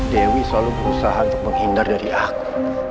dewi selalu berusaha untuk menghindar dari aku